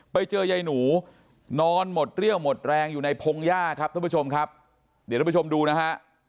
ไปเจอหญายนูนอนหมดเรี่ยวหมดแรงอยู่ในพงย่าครับทุกผู้ชมดูนะฮะ